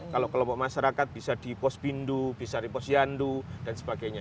kalau kelompok masyarakat bisa di pos bindu bisa di posyandu dan sebagainya